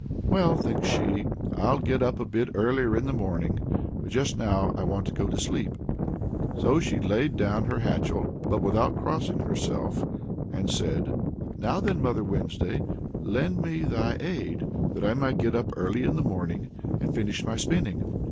"Well," thinks she, "I'll get up a bit earlier in the morning, but just now I want to go to sleep." So she laid down her hatchel but without crossing herself and said: "Now then, Mother Wednesday, lend me thy aid, that I may get up early in the morning and finish my spinning."